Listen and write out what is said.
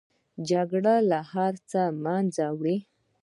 جګړه هر څه له منځه وړي